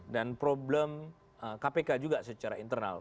dan problem kpk juga secara internal